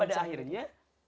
jadi pada akhirnya